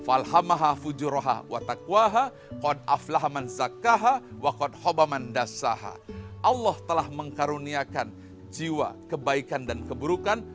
allah telah mengkaruniakan jiwa kebaikan dan keburukan